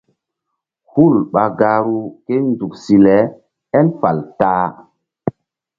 Hul ɓa gahru ké nzuk si le él fal ta-a.